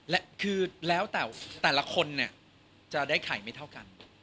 และคือแล้วแต่แต่ละคนเนี่ยจะได้ไข่ไม่เท่ากัน